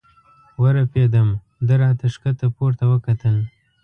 ورپېدم، ده را ته ښکته پورته وکتل.